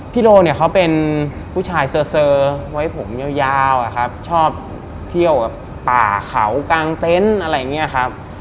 โดเนี่ยเขาเป็นผู้ชายเซอร์ไว้ผมยาวอะครับชอบเที่ยวแบบป่าเขากลางเต็นต์อะไรอย่างนี้ครับ